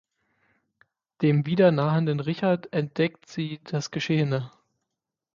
Dem wieder nahenden Richard entdeckt sie das Geschehene.